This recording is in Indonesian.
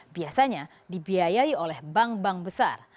biasanya dibiayai oleh bank bank besar